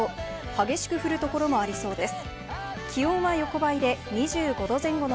激しく降るところもありそうです。